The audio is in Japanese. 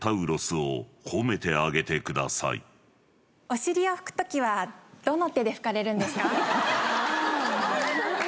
おしりをふく時はどの手でふかれるんですか？